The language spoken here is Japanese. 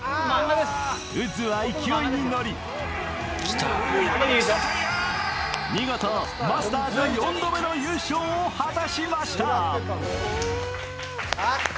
ウッズは勢いに乗り見事マスターで４度目の優勝を果たしました。